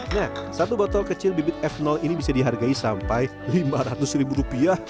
nah satu botol kecil bibit f ini bisa dihargai sampai lima ratus ribu rupiah